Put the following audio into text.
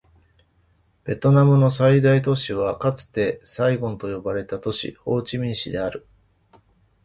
ベトナムの最大都市はかつてサイゴンと呼ばれた都市、ホーチミン市である